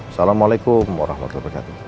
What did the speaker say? assalamualaikum warahmatullahi wabarakatuh